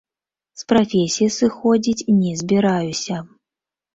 З прафесіі сыходзіць не збіраюся.